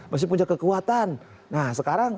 masih punya kekuatan nah sekarang